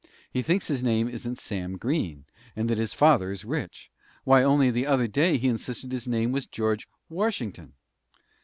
He thinks his name isn't Sam Green, and that his father is rich. Why, only the other day he insisted his name was George Washington."